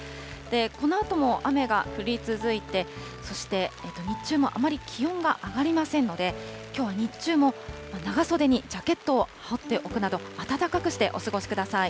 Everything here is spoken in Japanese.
このあとも雨が降り続いて、そして日中もあまり気温が上がりませんので、きょうは日中も、長袖にジャケットを羽織っておくなど、暖かくしてお過ごしください。